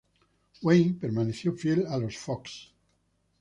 Wayne permanece fiel a los Fox.